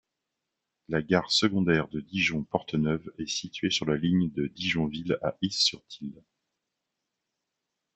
La gare secondaire de Dijon-Porte-Neuve est située sur la ligne de Dijon-Ville à Is-sur-Tille.